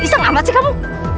iseng amat sih kamu